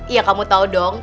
ya kamu tau dong